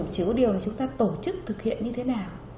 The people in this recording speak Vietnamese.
chỉ có điều là chúng ta tổ chức thực hiện như thế nào